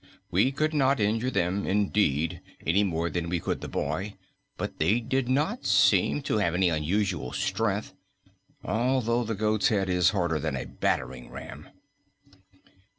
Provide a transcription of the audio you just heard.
"We could not injure them, indeed, any more than we could the boy, but they did not seem to have any unusual strength, although the goat's head is harder than a battering ram."